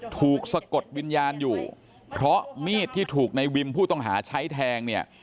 สะกดวิญญาณอยู่เพราะมีดที่ถูกในวิมผู้ต้องหาใช้แทงเนี่ย